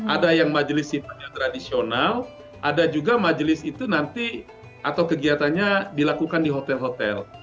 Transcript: ada yang majelis traditional ada juga majelis itu nanti atau kegiatannya dilakukan di hotel